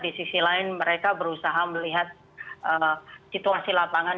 di sisi lain mereka berusaha melihat situasi lapangan